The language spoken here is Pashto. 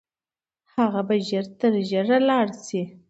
هغه به ژر تر ژره لاړ سي.